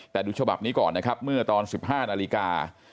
แต่ดูฉบับนี้ก่อนนะครับเมื่อตอน๑๕นาฬิกา